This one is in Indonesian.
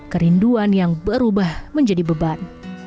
kerinduan yang berubah menjadi beban